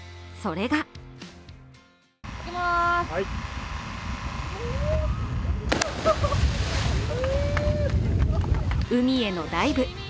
それが海へのダイブ。